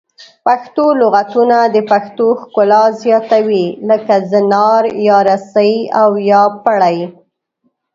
پښتو لغتونه د پښتو ښکلا زیاتوي لکه زنار یا رسۍ او یا پړی